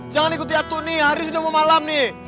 jangan ikuti aku nih hari sudah memalam nih